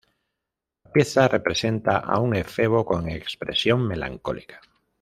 La pieza representa a un efebo con expresión melancólica.